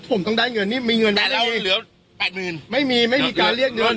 ผมต้องได้เงินนี่มีเงินไปแล้วเหลือแปดหมื่นไม่มีไม่มีการเรียกเงิน